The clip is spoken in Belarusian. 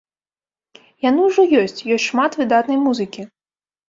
Яны ўжо ёсць, ёсць шмат выдатнай музыкі.